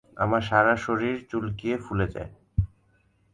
আমার সারা শরীর চুলকিয়ে ফুলে যায়।